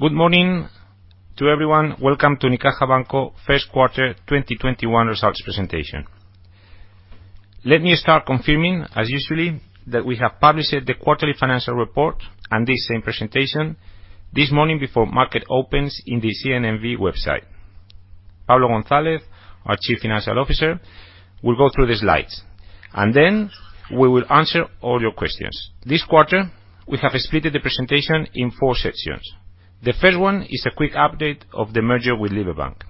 Good morning to everyone. Welcome to Unicaja Banco first quarter 2021 results presentation. Let me start confirming, as usual, that we have published the quarterly financial report and this same presentation this morning before market opens in the CNMV website. Pablo González, our Chief Financial Officer, will go through the slides, and then we will answer all your questions. This quarter, we have split the presentation in four sections. The first one is a quick update of the merger with Liberbank.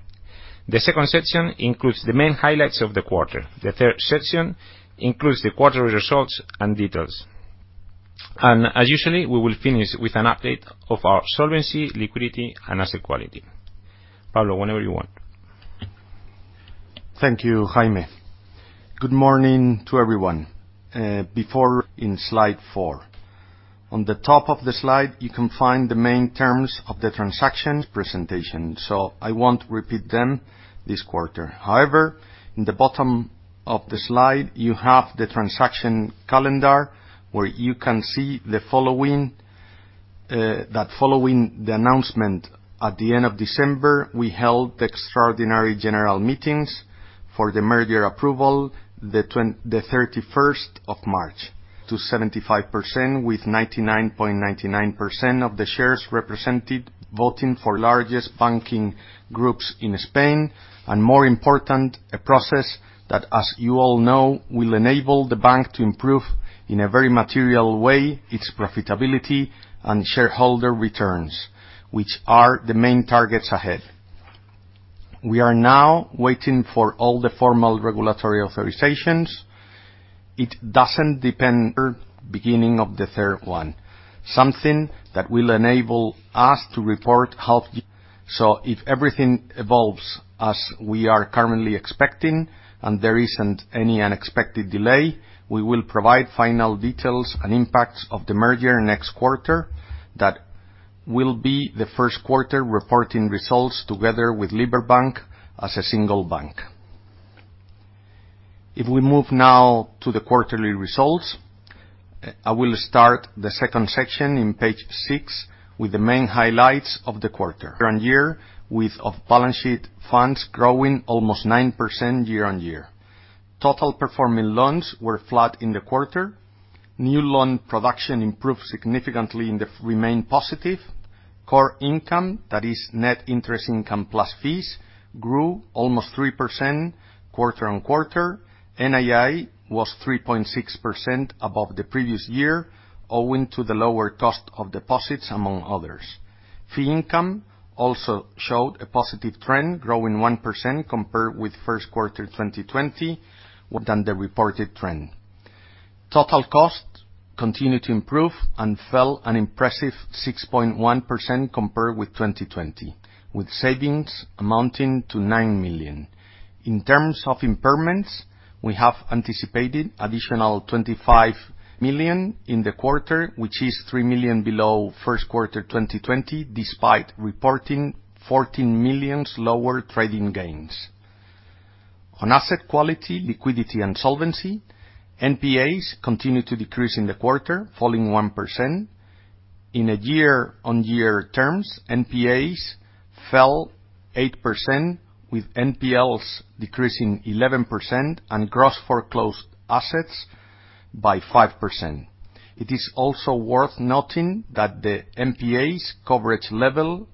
The second section includes the main highlights of the quarter. The third section includes the quarterly results and details. As usual, we will finish with an update of our solvency, liquidity, and asset quality. Pablo, whenever you want. Thank you, Jaime. Good morning to everyone. Before in slide four, on the top of the slide, you can find the main terms of the transactions presentation. I won't repeat them this quarter. However, in the bottom of the slide, you have the transaction calendar, where you can see that following the announcement at the end of December, we held Extraordinary General Meetings for the merger approval the 31st of March. To 75% with 99.99% of the shares represented voting for largest banking groups in Spain, and more important, a process that, as you all know, will enable the bank to improve in a very material way its profitability and shareholder returns, which are the main targets ahead. We are now waiting for all the formal regulatory authorizations. It doesn't depend beginning of the third one. Something that will enable us to report how. If everything evolves as we are currently expecting, and there isn't any unexpected delay, we will provide final details and impacts of the merger next quarter. That will be the first quarter reporting results together with Liberbank as a single bank. If we move now to the quarterly results, I will start the second section on page six with the main highlights of the quarter. Year-on-year, with off-balance sheet funds growing almost 9% year-on-year. Total performing loans were flat in the quarter. New loan production improved significantly in the remain positive. Core income, that is net interest income plus fees, grew almost 3% quarter-on-quarter. NII was 3.6% above the previous year, owing to the lower cost of deposits, among others. Fee income also showed a positive trend, growing 1% compared with Q1 2020, than the reported trend. Total cost continued to improve and fell an impressive 6.1% compared with 2020, with savings amounting to 9 million. In terms of impairments, we have anticipated additional 25 million in the quarter, which is 3 million below first quarter 2020, despite reporting 14 million lower trading gains. On asset quality, liquidity, and solvency, NPAs continued to decrease in the quarter, falling 1%. In a year-on-year terms, NPAs fell 8%, with NPLs decreasing 11% and gross foreclosed assets by 5%. It is also worth noting that the NPAs coverage level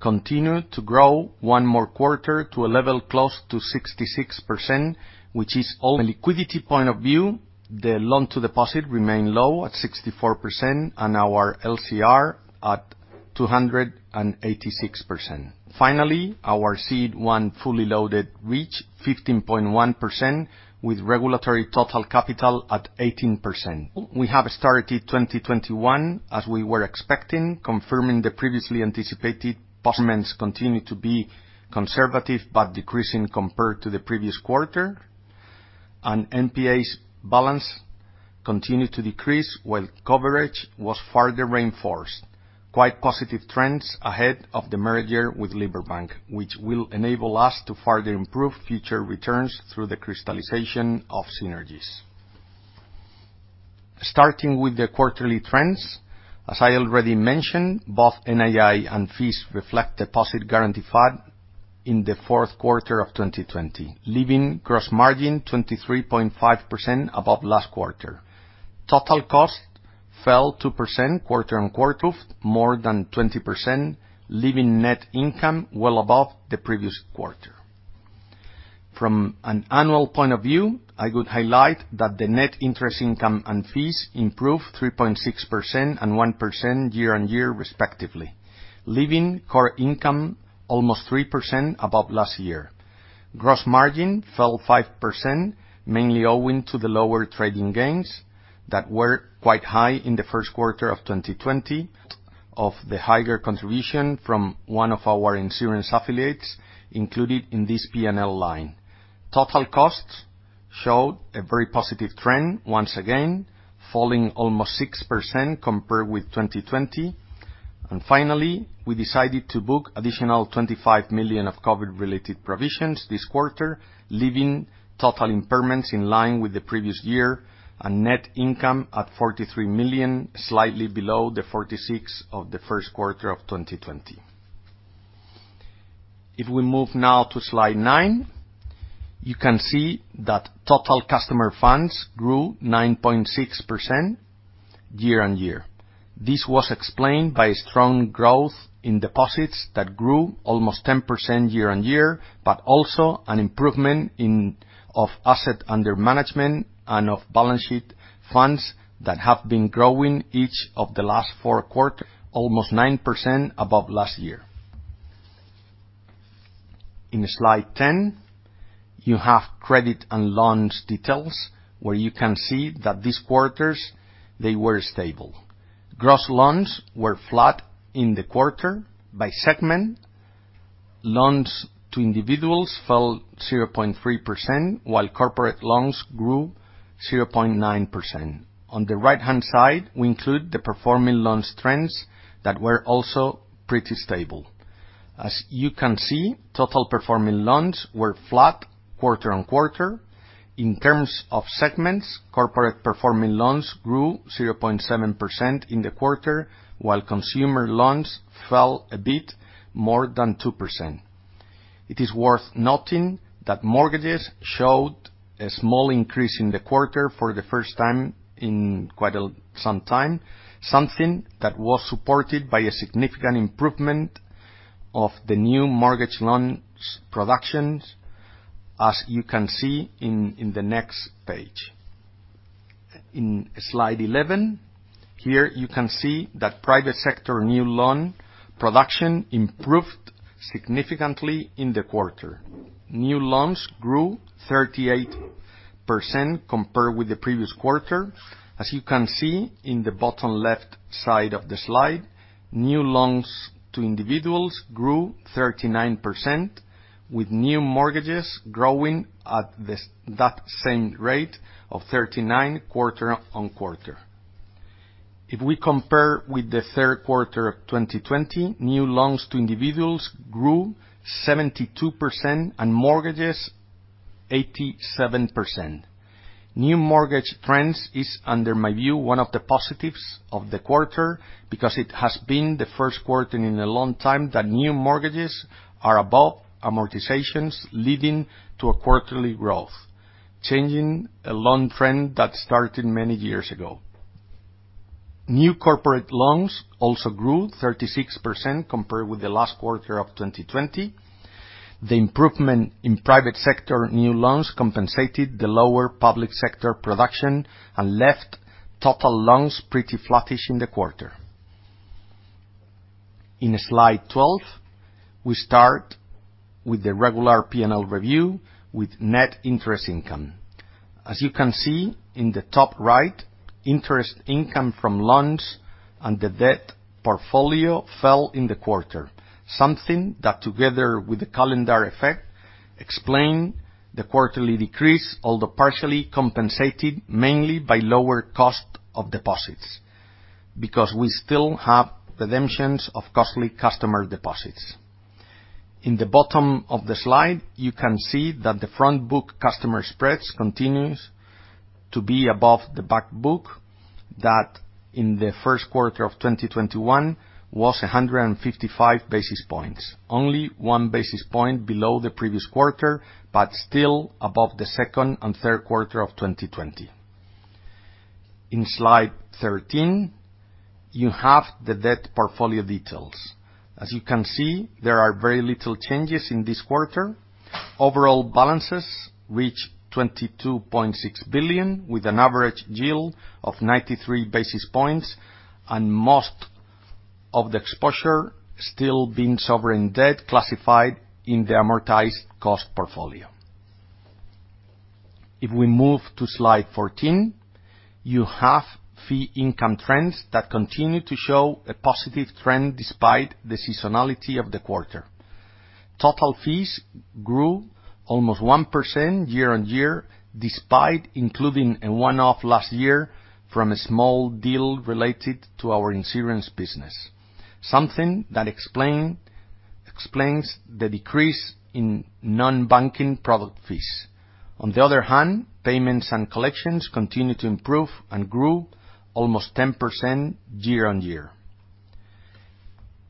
continued to grow one more quarter to a level close to 66%. From a liquidity point of view, the loan to deposit remained low at 64% and our LCR at 286%. Finally, our CET1 fully loaded reached 15.1% with regulatory total capital at 18%. We have started 2021 as we were expecting, confirming the previously anticipated continue to be conservative, but decreasing compared to the previous quarter. NPAs balance continued to decrease, while coverage was further reinforced. Quite positive trends ahead of the merger with Liberbank, which will enable us to further improve future returns through the crystallization of synergies. Starting with the quarterly trends, as I already mentioned, both NII and fees reflect deposit guarantee fund in the fourth quarter of 2020, leaving gross margin 23.5% above last quarter. Total cost fell 2% quarter-on-quarter, more than 20%, leaving net income well above the previous quarter. From an annual point of view, I would highlight that the net interest income and fees improved 3.6% and 1% year-on-year, respectively, leaving core income almost 3% above last year. Gross margin fell 5%, mainly owing to the lower trading gains that were quite high in the first quarter of 2020 of the higher contribution from one of our insurance affiliates included in this P&L line. Total costs showed a very positive trend, once again, falling almost 6% compared with 2020. Finally, we decided to book additional 25 million of COVID-related provisions this quarter, leaving total impairments in line with the previous year and net income at 43 million, slightly below the 46 of the first quarter of 2020. If we move now to slide nine, you can see that total customer funds grew 9.6% year-on-year. This was explained by strong growth in deposits that grew almost 10% year-on-year, but also an improvement of assets under management and off-balance sheet funds that have been growing each of the last four quarters, almost 9% above last year. In slide 10, you have credit and loans details, where you can see that these quarters, they were stable. Gross loans were flat in the quarter. By segment, loans to individuals fell 0.3%, while corporate loans grew 0.9%. On the right-hand side, we include the performing loans trends that were also pretty stable. As you can see, total performing loans were flat quarter-on-quarter. In terms of segments, corporate performing loans grew 0.7% in the quarter, while consumer loans fell a bit more than 2%. It is worth noting that mortgages showed a small increase in the quarter for the first time in quite some time, something that was supported by a significant improvement of the new mortgage loans production, as you can see in the next page. In slide 11, here you can see that private sector new loan production improved significantly in the quarter. New loans grew 38% compared with the previous quarter. As you can see in the bottom left side of the slide, new loans to individuals grew 39%, with new mortgages growing at that same rate of 39% quarter-on-quarter. If we compare with the third quarter of 2020, new loans to individuals grew 72%, and mortgages 87%. New mortgage trends is, under my view, one of the positives of the quarter because it has been the first quarter in a long time that new mortgages are above amortizations, leading to a quarterly growth, changing a loan trend that started many years ago. New corporate loans also grew 36% compared with the last quarter of 2020. The improvement in private sector new loans compensated the lower public sector production and left total loans pretty flattish in the quarter. In slide 12, we start with the regular P&L review with net interest income. As you can see in the top right, interest income from loans and the debt portfolio fell in the quarter. Something that, together with the calendar effect, explain the quarterly decrease, although partially compensated mainly by lower cost of deposits, because we still have redemptions of costly customer deposits. In the bottom of the slide, you can see that the front book customer spreads continues to be above the back book that in the first quarter of 2021 was 155 basis points, only 1 basis point below the previous quarter, but still above the second and third quarter of 2020. In slide 13, you have the debt portfolio details. As you can see, there are very little changes in this quarter. Overall balances reached 22.6 billion, with an average yield of 93 basis points and most of the exposure still being sovereign debt classified in the amortized cost portfolio. If we move to slide 14, you have fee income trends that continue to show a positive trend despite the seasonality of the quarter. Total fees grew almost 1% year-on-year, despite including a one-off last year from a small deal related to our insurance business. Something that explains the decrease in non-banking product fees. On the other hand, payments and collections continued to improve and grew almost 10% year-on-year.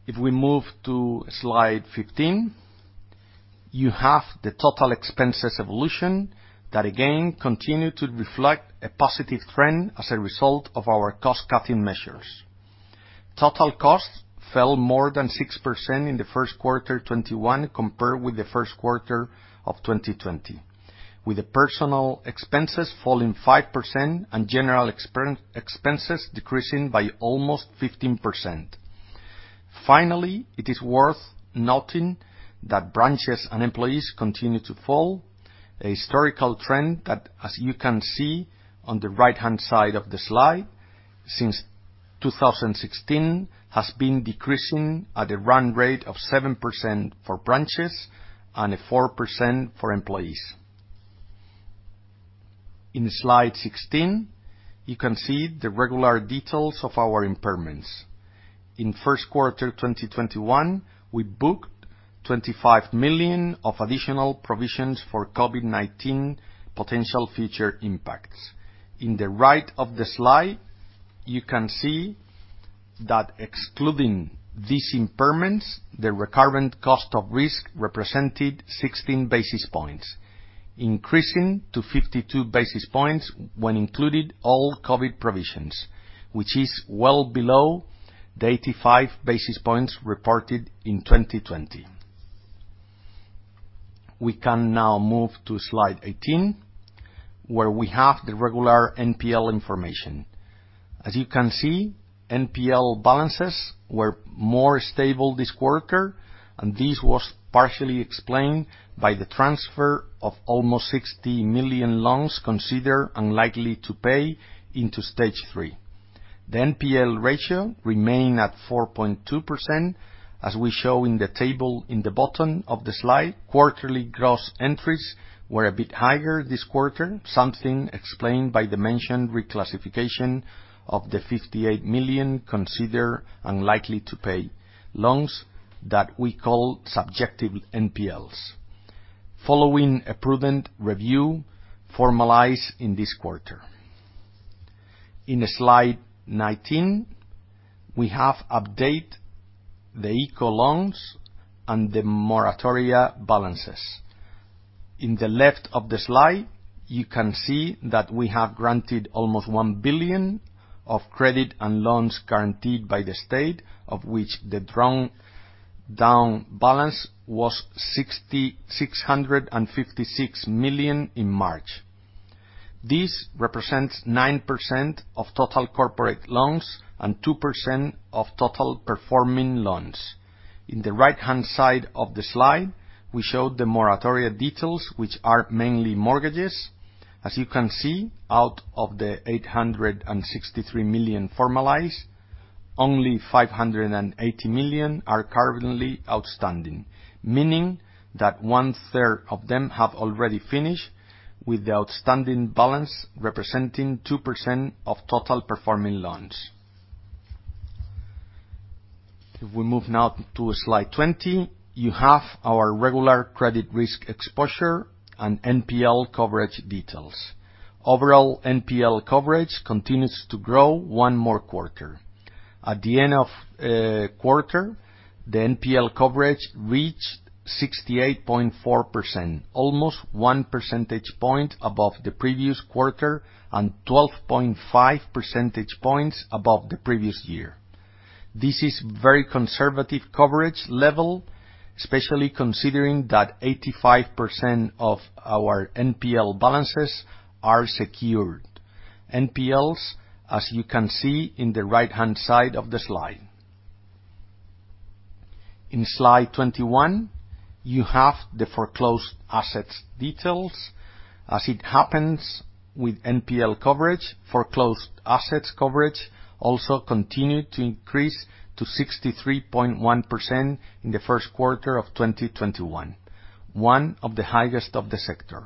If we move to slide 15, you have the total expenses evolution that again continued to reflect a positive trend as a result of our cost-cutting measures. Total costs fell more than 6% in the first quarter 21 compared with the first quarter of 2020, with the personal expenses falling 5% and general expenses decreasing by almost 15%. Finally, it is worth noting that branches and employees continued to fall. A historical trend that, as you can see on the right-hand side of the slide, since 2016, has been decreasing at a run rate of 7% for branches and 4% for employees. In slide 16, you can see the regular details of our impairments. In first quarter 2021, we booked 25 million of additional provisions for COVID-19 potential future impacts. In the right of the slide, you can see that excluding these impairments, the recurrent cost of risk represented 16 basis points, increasing to 52 basis points when including all COVID provisions, which is well below the 85 basis points reported in 2020. We can now move to slide 18, where we have the regular NPL information. As you can see, NPL balances were more stable this quarter. This was partially explained by the transfer of almost 60 million loans considered unlikely to pay into Stage 3. The NPL ratio remained at 4.2%, as we show in the table in the bottom of the slide. Quarterly gross entries were a bit higher this quarter, something explained by the mentioned reclassification of the 58 million considered unlikely to pay loans that we call subjective NPLs. Following a prudent review formalized in this quarter. In slide 19, we have updated the ICO loans and the moratoria balances. In the left of the slide, you can see that we have granted almost 1 billion of credit and loans guaranteed by the state, of which the drawn down balance was 656 million in March. This represents 9% of total corporate loans and 2% of total performing loans. In the right-hand side of the slide, we show the moratoria details, which are mainly mortgages. As you can see, out of the 863 million formalized, only 580 million are currently outstanding, meaning that one-third of them have already finished, with the outstanding balance representing 2% of total performing loans. If we move now to slide 20, you have our regular credit risk exposure and NPL coverage details. Overall NPL coverage continues to grow one more quarter. At the end of quarter, the NPL coverage reached 68.4%, almost 1 percentage point above the previous quarter and 12.5 percentage points above the previous year. This is very conservative coverage level, especially considering that 85% of our NPL balances are secured. NPLs, as you can see in the right-hand side of the slide. In slide 21, you have the foreclosed assets details. As it happens with NPL coverage, foreclosed assets coverage also continued to increase to 63.1% in the first quarter of 2021, one of the highest of the sector.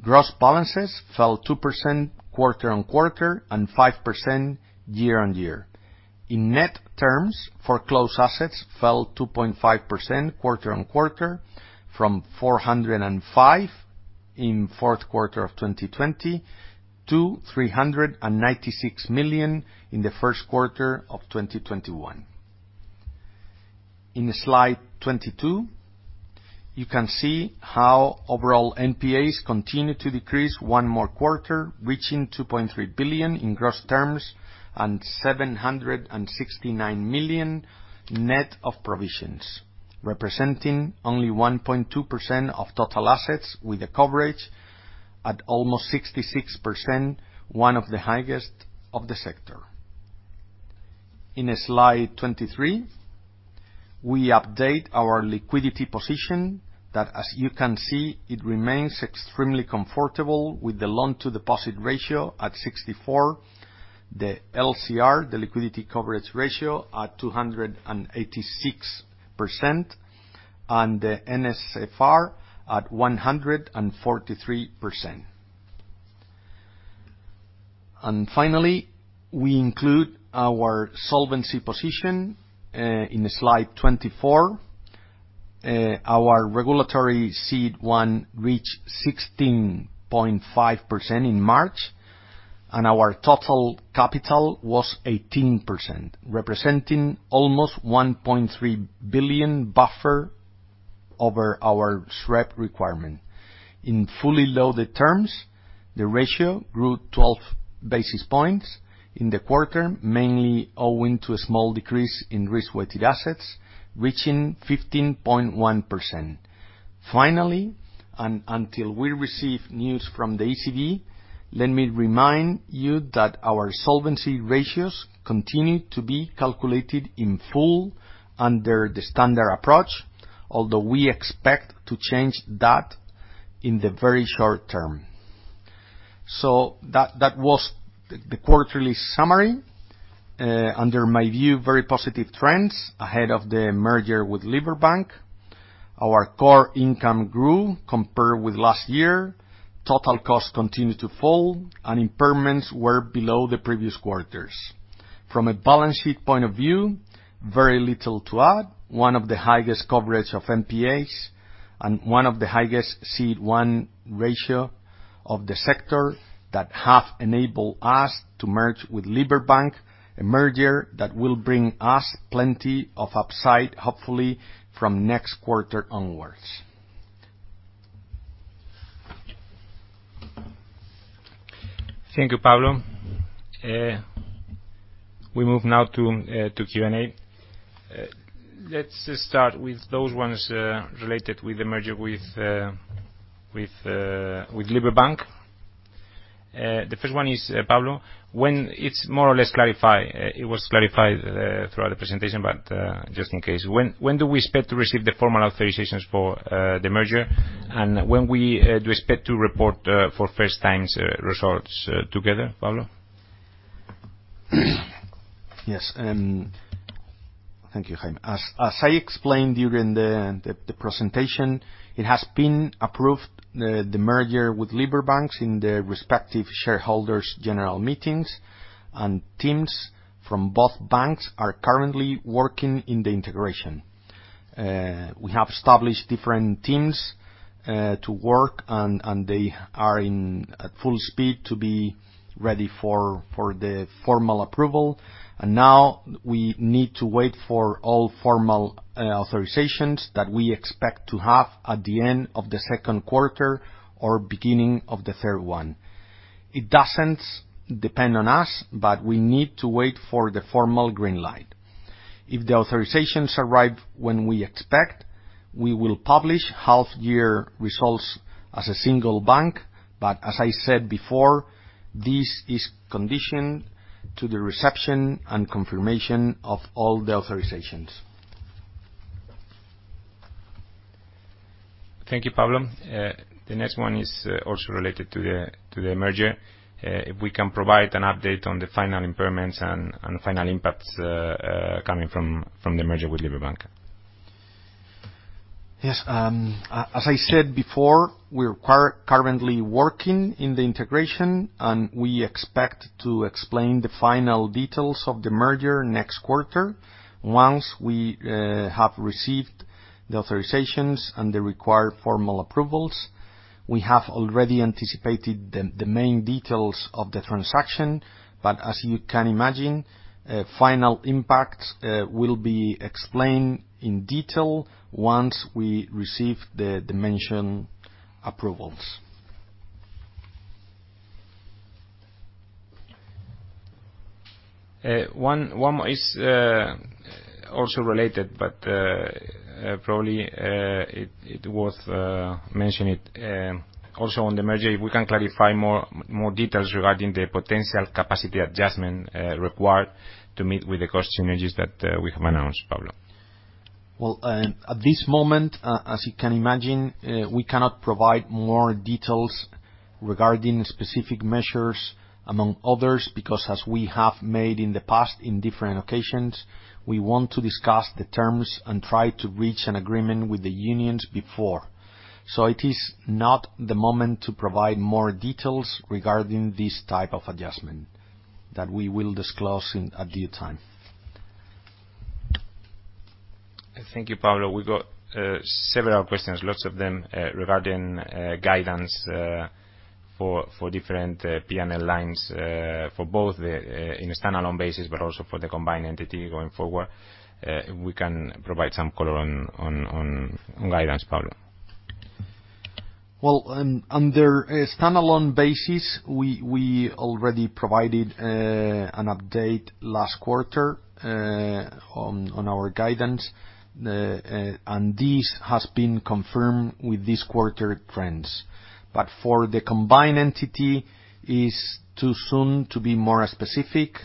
Gross balances fell 2% quarter-on-quarter and 5% year-on-year. In net terms, foreclosed assets fell 2.5% quarter-on-quarter, from 405 in fourth quarter of 2020 to 396 million in the first quarter of 2021. In slide 22, you can see how overall NPAs continued to decrease one more quarter, reaching 2.3 billion in gross terms and 769 million net of provisions, representing only 1.2% of total assets with the coverage at almost 66%, one of the highest of the sector. In slide 23, we update our liquidity position that, as you can see, it remains extremely comfortable with the loan-to-deposit ratio at 64, the LCR, the liquidity coverage ratio, at 286%, and the NSFR at 143%. Finally, we include our solvency position in slide 24. Our regulatory CET1 reached 16.5% in March, and our total capital was 18%, representing almost 1.3 billion buffer over our SREP requirement. In fully loaded terms, the ratio grew 12 basis points in the quarter, mainly owing to a small decrease in risk-weighted assets, reaching 15.1%. Finally, and until we receive news from the ECB, let me remind you that our solvency ratios continue to be calculated in full under the standard approach, although we expect to change that in the very short-term. That was the quarterly summary. Under my view, very positive trends ahead of the merger with Liberbank. Our core income grew compared with last year. Total costs continued to fall, and impairments were below the previous quarters. From a balance sheet point of view. Very little to add. One of the highest coverage of NPAs, and one of the highest CET1 ratio of the sector that have enabled us to merge with Liberbank, a merger that will bring us plenty of upside, hopefully from next quarter onwards. Thank you, Pablo. We move now to Q&A. Let's start with those ones related with the merger with Liberbank. The first one is, Pablo, it was clarified throughout the presentation, but just in case, when do we expect to receive the formal authorizations for the merger, and when do we expect to report for first times results together, Pablo? Yes. Thank you, Jaime. As I explained during the presentation, it has been approved, the merger with Liberbank in the respective shareholders general meetings, teams from both banks are currently working in the integration. We have established different teams to work, they are in at full speed to be ready for the formal approval. Now we need to wait for all formal authorizations that we expect to have at the end of the second quarter or beginning of the third one. It doesn't depend on us, we need to wait for the formal green light. If the authorizations arrive when we expect, we will publish half-year results as a single bank, as I said before, this is conditioned to the reception and confirmation of all the authorizations. Thank you, Pablo. The next one is also related to the merger. If we can provide an update on the final impairments and final impacts coming from the merger with Liberbank? Yes. As I said before, we're currently working in the integration, and we expect to explain the final details of the merger next quarter once we have received the authorizations and the required formal approvals. We have already anticipated the main details of the transaction, but as you can imagine, final impact will be explained in detail once we receive the mentioned approvals. One more is also related, but probably it was mentioned. Also on the merger, if we can clarify more details regarding the potential capacity adjustment required to meet with the cost synergies that we have announced, Pablo? Well, at this moment, as you can imagine, we cannot provide more details regarding specific measures, among others, because as we have made in the past, in different occasions, we want to discuss the terms and try to reach an agreement with the unions before. It is not the moment to provide more details regarding this type of adjustment, that we will disclose at the right time. Thank you, Pablo. We got several questions, lots of them regarding guidance for different P&L lines for both in a standalone basis, but also for the combined entity going forward. We can provide some color on guidance, Pablo? Well, under a standalone basis, we already provided an update last quarter on our guidance. This has been confirmed with this quarter trends. For the combined entity, it is too soon to be more specific.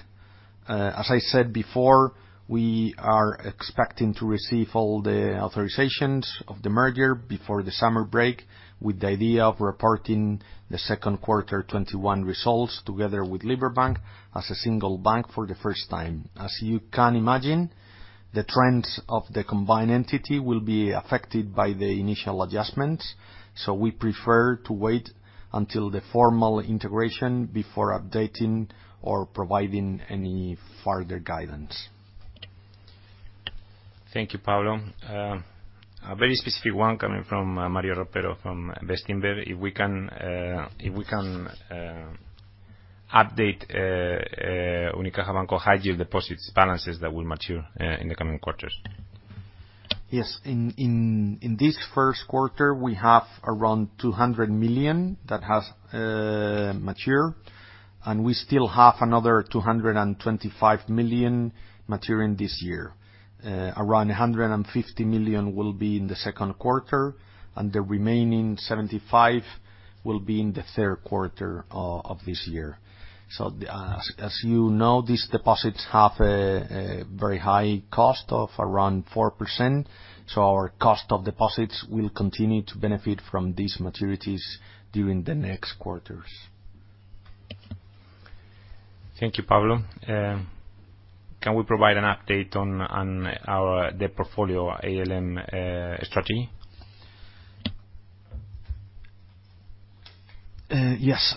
As I said before, we are expecting to receive all the authorizations of the merger before the summer break, with the idea of reporting the second quarter 2021 results together with Liberbank as a single bank for the first time. As you can imagine, the trends of the combined entity will be affected by the initial adjustments, so we prefer to wait until the formal integration before updating or providing any further guidance. Thank you, Pablo. A very specific one coming from Mario Ropero from Bestinver. If we can update Unicaja Banco high-yield deposits balances that will mature in the coming quarters? Yes. In this first quarter, we have around 200 million that has matured, and we still have another 225 million maturing this year. Around 150 million will be in the second quarter, and the remaining 75 will be in the third quarter of this year. As you know, these deposits have a very high cost of around 4%, so our cost of deposits will continue to benefit from these maturities during the next quarters. Thank you, Pablo. Can we provide an update on our debt portfolio ALM strategy? Yes.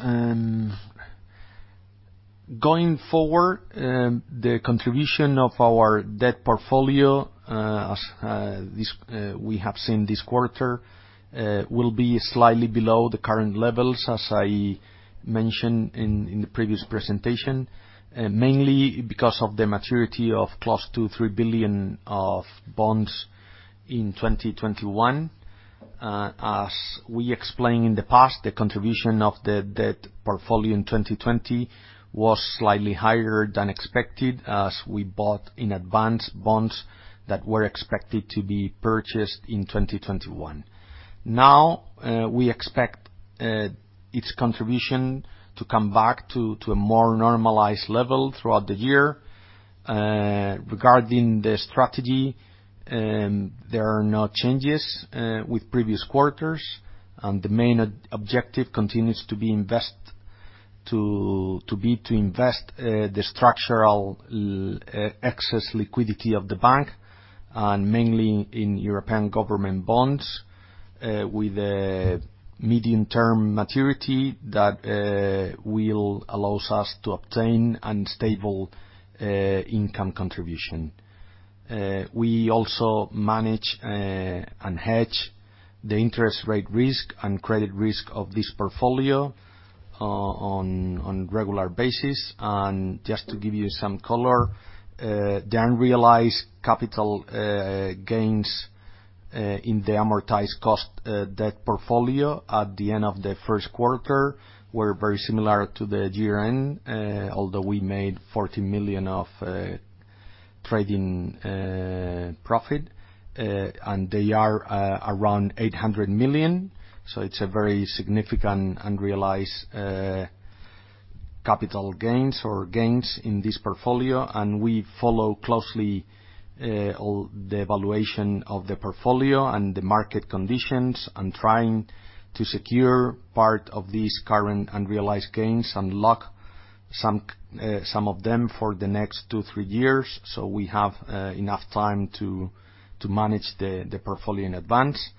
Going forward, the contribution of our debt portfolio, as we have seen this quarter, will be slightly below the current levels, as I mentioned in the previous presentation. Mainly because of the maturity of close to 3 billion of bonds in 2021. As we explained in the past, the contribution of the debt portfolio in 2020 was slightly higher than expected, as we bought in advance bonds that were expected to be purchased in 2021. Now, we expect its contribution to come back to a more normalized level throughout the year. Regarding the strategy, there are no changes with previous quarters. The main objective continues to be to invest the structural excess liquidity of the bank, and mainly in European government bonds with a medium-term maturity that will allow us to obtain a stable income contribution. We also manage and hedge the interest rate risk and credit risk of this portfolio on regular basis. Just to give you some color, the unrealized capital gains in the amortized cost debt portfolio at the end of the first quarter were very similar to the year-end, although we made 40 million of trading profit. They are around 800 million. It's a very significant unrealized capital gains or gains in this portfolio, we follow closely all the evaluation of the portfolio and the market conditions, trying to secure part of these current unrealized gains and lock some of them for the next two, three years so we have enough time to manage the portfolio in advance.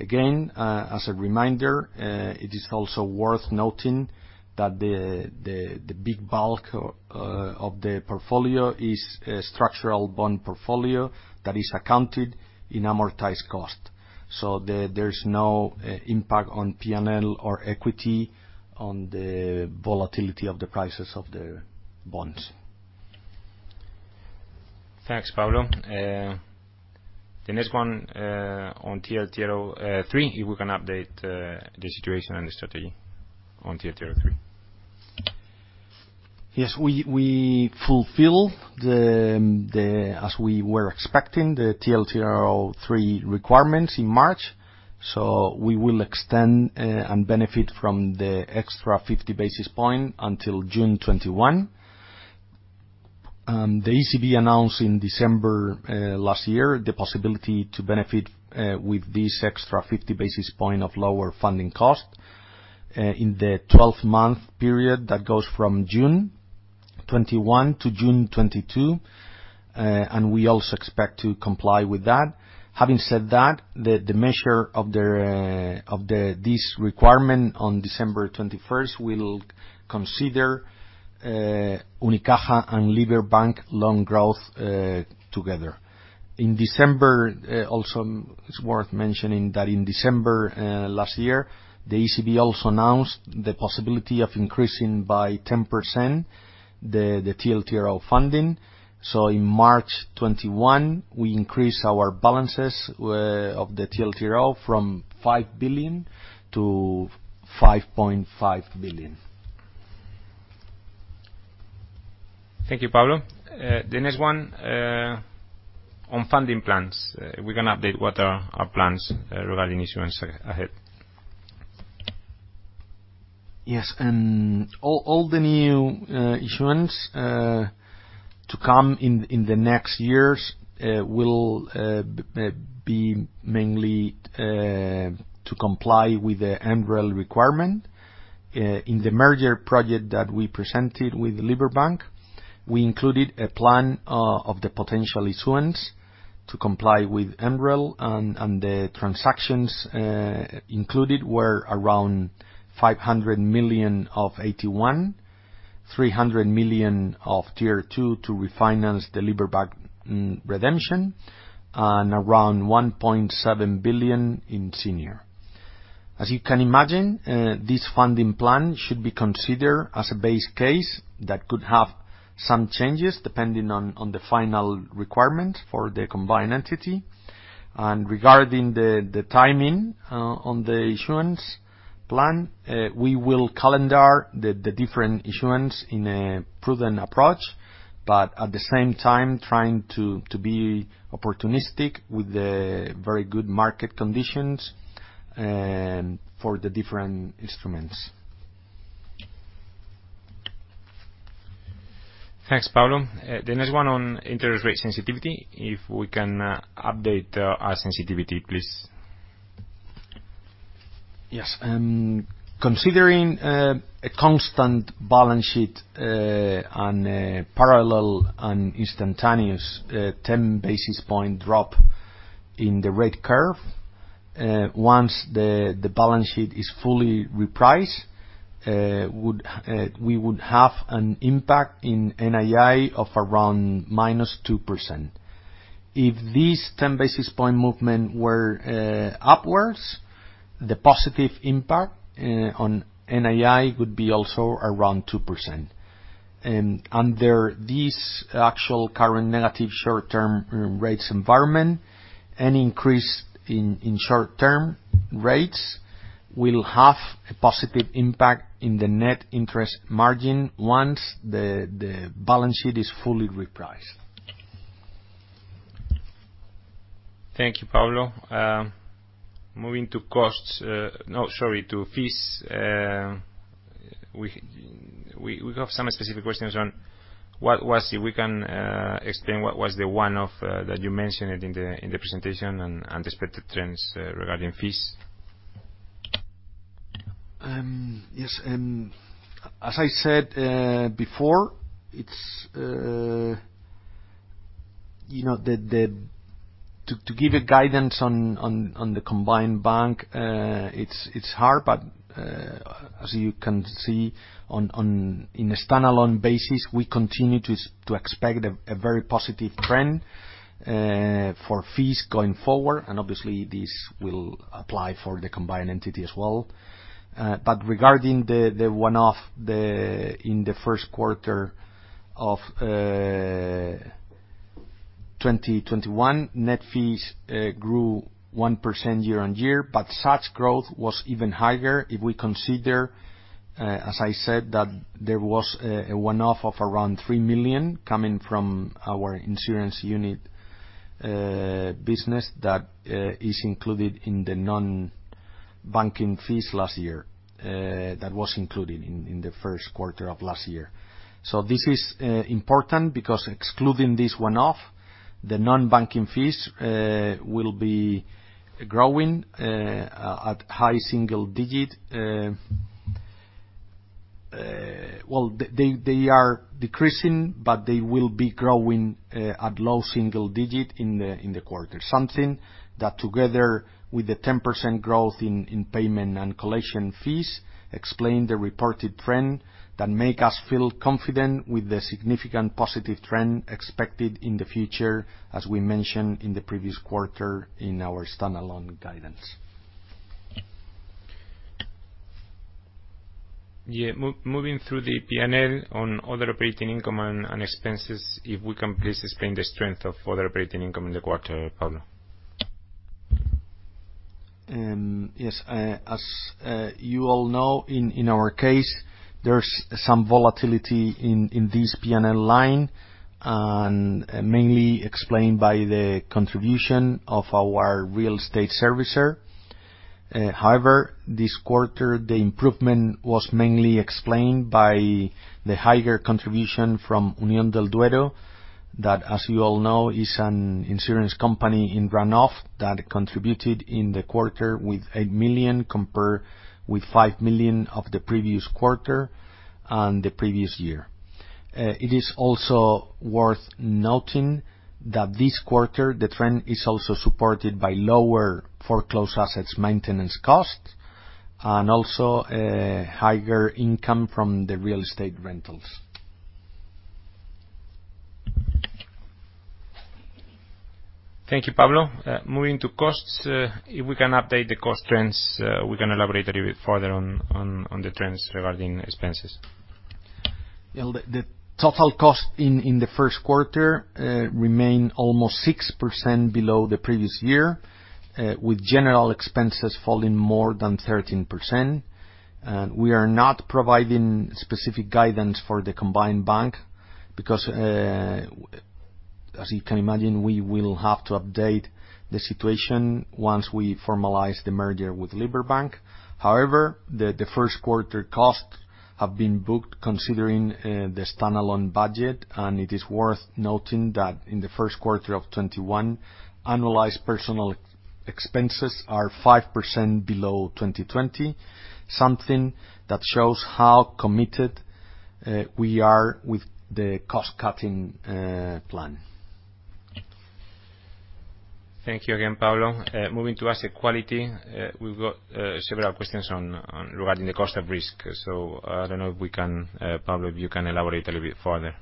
Again, as a reminder, it is also worth noting that the big bulk of the portfolio is a structural bond portfolio that is accounted in amortized cost. There's no impact on P&L or equity on the volatility of the prices of the bonds. Thanks, Pablo. The next one on TLTRO3. If we can update the situation and the strategy on TLTRO3? Yes, we fulfilled, as we were expecting, the TLTRO3 requirements in March. We will extend and benefit from the extra 50 basis point until June 2021. The ECB announced in December last year the possibility to benefit with this extra 50 basis point of lower funding cost in the 12-month period that goes from June 2021 to June 2022, and we also expect to comply with that. Having said that, the measure of this requirement on December 21st, 2021, we'll consider Unicaja and Liberbank loan growth together. Also, it's worth mentioning that in December last year, the ECB also announced the possibility of increasing by 10% the TLTRO funding. In March 2021, we increased our balances of the TLTRO from 5 billion-5.5 billion. Thank you, Pablo. The next one on funding plans. We're going to update what are our plans regarding issuance ahead? Yes. All the new issuance to come in the next years will be mainly to comply with the MREL requirement. In the merger project that we presented with Liberbank, we included a plan of the potential issuance to comply with MREL, and the transactions included were around 500 million of AT1, 300 million of Tier 2 to refinance the Liberbank redemption, and around 1.7 billion in senior. As you can imagine, this funding plan should be considered as a base case that could have some changes depending on the final requirements for the combined entity. Regarding the timing on the issuance plan, we will calendar the different issuance in a prudent approach, but at the same time trying to be opportunistic with the very good market conditions for the different instruments. Thanks, Pablo. The next one on interest rate sensitivity, if we can update our sensitivity, please? Yes. Considering a constant balance sheet and a parallel and instantaneous 10 basis point drop in the rate curve. Once the balance sheet is fully repriced, we would have an impact in NII of around -2%. If this 10 basis point movement were upwards, the positive impact on NII would be also around 2%. Under this actual current negative short-term rates environment, any increase in short-term rates will have a positive impact in the net interest margin once the balance sheet is fully repriced. Thank you, Pablo. Moving to fees. We have some specific questions on what was, if we can explain what was the one-off that you mentioned in the presentation and anticipated trends regarding fees? Yes. As I said before, to give a guidance on the combined bank, it is hard, but as you can see, in a standalone basis, we continue to expect a very positive trend for fees going forward. Obviously, this will apply for the combined entity as well. Regarding the one-off in the first quarter of 2021, net fees grew 1% year-on-year, but such growth was even higher if we consider, as I said, that there was a one-off of around 3 million coming from our insurance unit business that is included in the non-banking fees last year. That was included in the first quarter of last year. This is important because excluding this one-off, the non-banking fees will be growing at high single digit. Well, they are decreasing, but they will be growing at low single digit in the quarter. Something that together with the 10% growth in payment and collection fees, explain the reported trend that make us feel confident with the significant positive trend expected in the future, as we mentioned in the previous quarter in our standalone guidance. Yeah. Moving through the P&L on other operating income and expenses, if we can please explain the strength of other operating income in the quarter, Pablo? Yes. As you all know, in our case, there's some volatility in this P&L line, and mainly explained by the contribution of our real estate servicer. However, this quarter, the improvement was mainly explained by the higher contribution from Unión del Duero, that, as you all know, is an insurance company in runoff that contributed in the quarter with 8 million compared with 5 million of the previous quarter and the previous year. It is also worth noting that this quarter, the trend is also supported by lower foreclosed assets maintenance costs, and also higher income from the real estate rentals. Thank you, Pablo. Moving to costs, if we can update the cost trends, we can elaborate a little bit further on the trends regarding expenses? The total cost in the first quarter remained almost 6% below the previous year, with general expenses falling more than 13%. We are not providing specific guidance for the combined bank because, as you can imagine, we will have to update the situation once we formalize the merger with Liberbank. However, the first quarter costs have been booked considering the standalone budget, and it is worth noting that in the first quarter of 2021, annualized personal expenses are 5% below 2020. Something that shows how committed we are with the cost-cutting plan. Thank you again, Pablo. Moving to asset quality, we've got several questions regarding the cost of risk. I don't know Pablo, if you can elaborate a little bit further?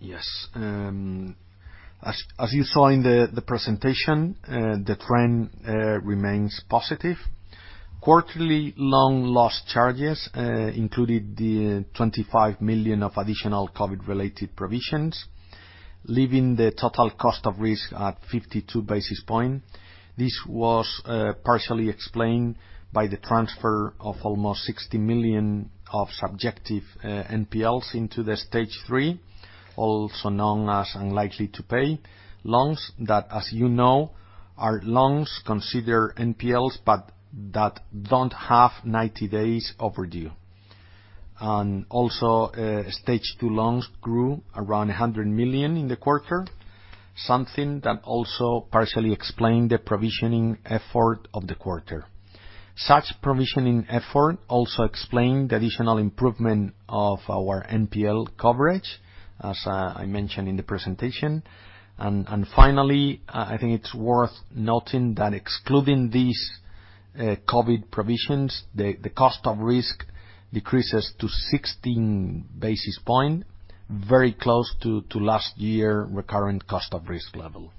Yes. As you saw in the presentation, the trend remains positive. Quarterly loan loss charges included the 25 million of additional COVID-related provisions, leaving the total cost of risk at 52 basis points. This was partially explained by the transfer of almost 60 million of subjective NPLs into the Stage 3, also known as unlikely to pay loans that, as you know, are loans considered NPLs, but that don't have 90 days overdue. Also, Stage 2 loans grew around 100 million in the quarter. Something that also partially explained the provisioning effort of the quarter. Such provisioning effort also explain the additional improvement of our NPL coverage, as I mentioned in the presentation. Finally, I think it's worth noting that excluding these COVID provisions, the cost of risk decreases to 16 basis points, very close to last year recurring cost of risk level.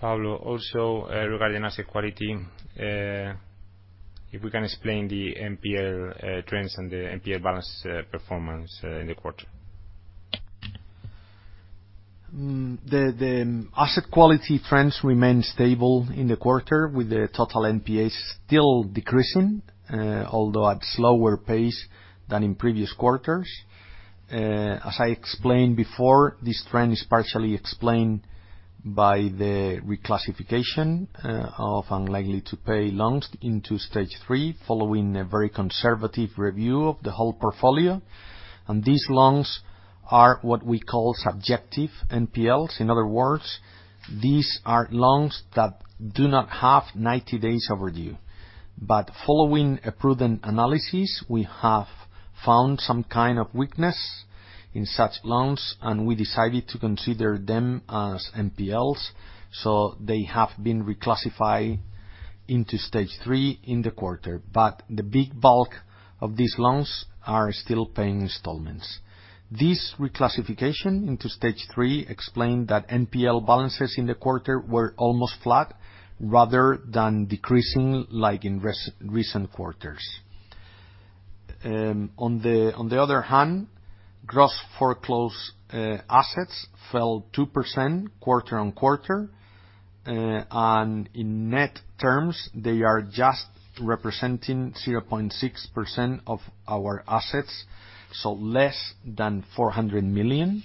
Pablo, also regarding asset quality, if we can explain the NPL trends and the NPL balance performance in the quarter? The asset quality trends remain stable in the quarter, with the total NPAs still decreasing, although at slower pace than in previous quarters. As I explained before, this trend is partially explained by the reclassification of unlikely to pay loans into Stage 3, following a very conservative review of the whole portfolio. These loans are what we call subjective NPLs. In other words, these are loans that do not have 90 days overdue. Following a prudent analysis, we have found some kind of weakness in such loans, and we decided to consider them as NPLs. They have been reclassified into Stage 3 in the quarter. The big bulk of these loans are still paying installments. This reclassification into Stage 3 explained that NPL balances in the quarter were almost flat rather than decreasing like in recent quarters. On the other hand, gross foreclosed assets fell 2% quarter-on-quarter, and in net terms, they are just representing 0.6% of our assets, less than 400 million.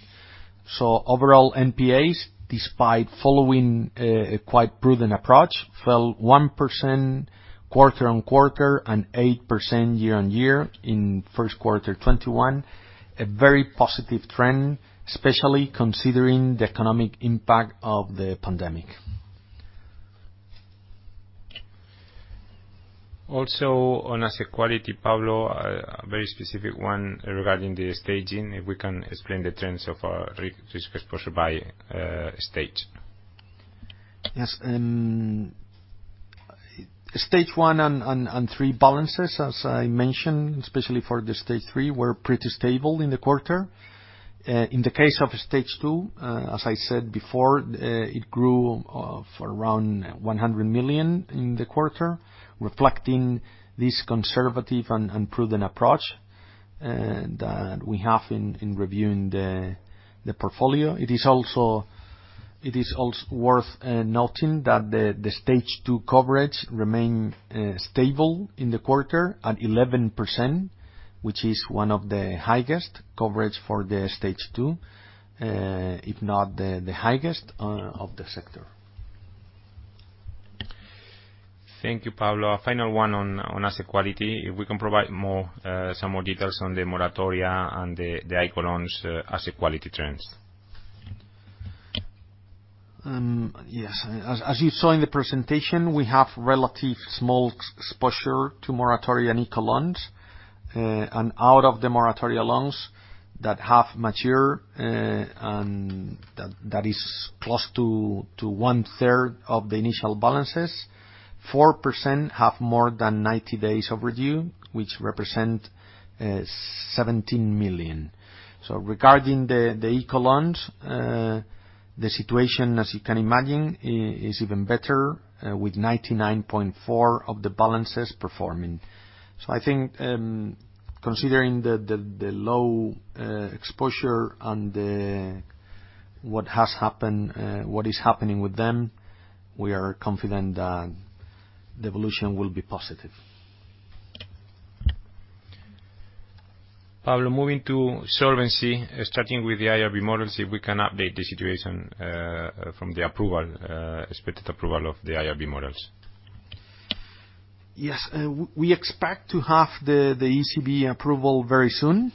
Overall, NPAs, despite following a quite prudent approach, fell 1% quarter-on-quarter and 8% year-on-year in first quarter 2021, a very positive trend, especially considering the economic impact of the pandemic. Also on asset quality, Pablo, a very specific one regarding the staging. If we can, explain the trends of our risk exposure by stage? Yes. Stage 1 and Stage 3 balances, as I mentioned, especially for the Stage 3, were pretty stable in the quarter. In the case of Stage 2, as I said before, it grew for around 100 million in the quarter, reflecting this conservative and prudent approach that we have in reviewing the portfolio. It is also worth noting that the Stage 2 coverage remained stable in the quarter at 11%, which is one of the highest coverage for the Stage 2, if not the highest of the sector. Thank you, Pablo. A final one on asset quality. If we can provide some more details on the moratoria and the ICO loans asset quality trends? Yes. As you saw in the presentation, we have relatively small exposure to moratoria and ICO loans. Out of the moratoria loans that have matured, and that is close to one-third of the initial balances, 4% have more than 90 days overdue, which represent 17 million. Regarding the ICO loans, the situation, as you can imagine, is even better, with 99.4% of the balances performing. I think, considering the low exposure and what is happening with them, we are confident that the evolution will be positive. Pablo, moving to solvency, Starting with the IRB models, if we can update the situation from the expected approval of the IRB models? Yes. We expect to have the ECB approval very soon,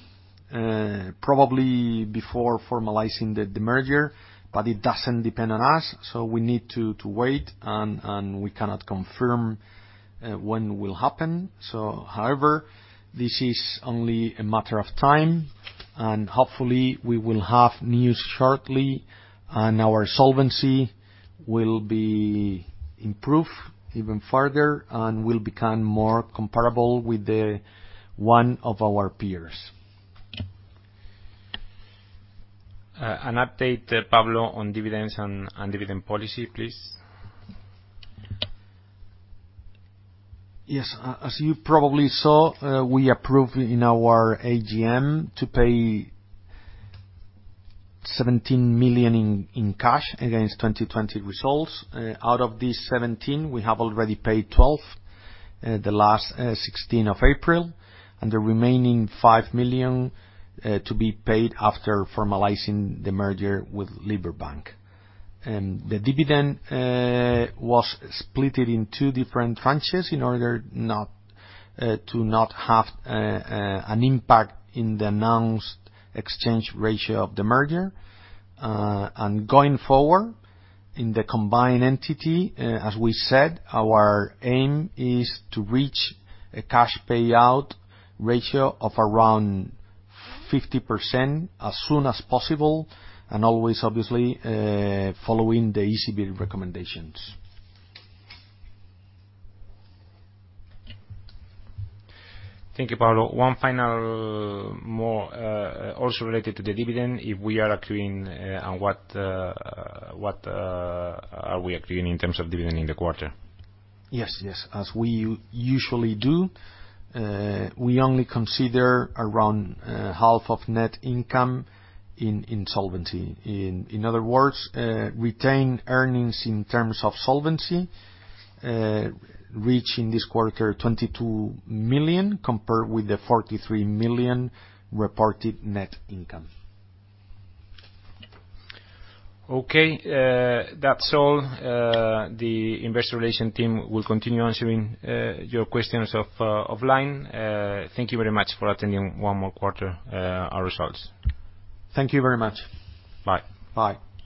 probably before formalizing the merger, but it doesn't depend on us, so we need to wait, and we cannot confirm when it will happen. However, this is only a matter of time, and hopefully, we will have news shortly, and our solvency will be improved even further and will become more comparable with one of our peers. An update, Pablo, on dividends and dividend policy, please? Yes. As you probably saw, we approved in our AGM to pay 17 million in cash against 2020 results. Out of these 17, we have already paid 12 the last 16th of April, and the remaining 5 million to be paid after formalizing the merger with Liberbank. The dividend was splitted in two different tranches in order to not have an impact in the announced exchange ratio of the merger. Going forward, in the combined entity, as we said, our aim is to reach a cash payout ratio of around 50% as soon as possible, and always, obviously, following the ECB recommendations. Thank you, Pablo. One final more, also related to the dividend, if we are accruing and what are we accruing in terms of dividend in the quarter? Yes. As we usually do, we only consider around half of net income in solvency. In other words, retained earnings in terms of solvency, reaching this quarter 22 million, compared with the 43 million reported net income. Okay. That's all. The Investor Relations team will continue answering your questions offline. Thank you very much for attending one more quarter, our results. Thank you very much. Bye. Bye.